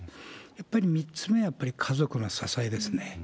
やっぱり３つ目は、やっぱり家族の支えですね。